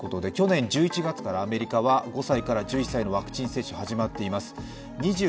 去年１１月からアメリカは５歳から１１歳のワクチン接種が始まっています。